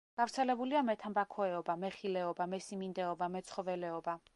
გავრცელებულია მეთამბაქოეობა, მეხილეობა, მესიმინდეობა, მეცხოველეობა.